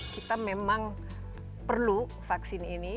kita memang perlu vaksin ini